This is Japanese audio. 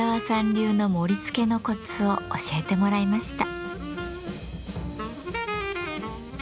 流の盛りつけのコツを教えてもらいました。